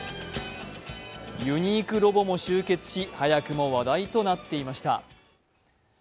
ユニークロボも集結し早くも話題となっていました。